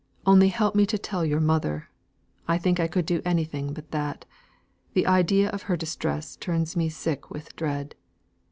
Only help me to tell your mother. I think I could do anything but that: the idea of her distress turns me sick with dread.